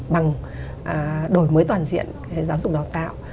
bằng đổi mới toàn diện giáo dục đào tạo